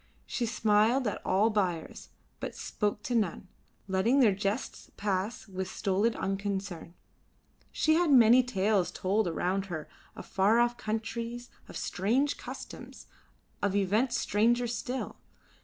She smiled at all buyers, but spoke to none, letting their jests pass with stolid unconcern. She heard many tales told around her of far off countries, of strange customs, of events stranger still.